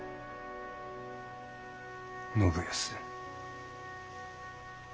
信康。